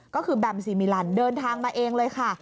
ก็คือแบมซีมิลันเดินทางมาเองเลยค่ะ